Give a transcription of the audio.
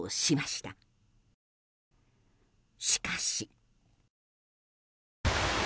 しかし。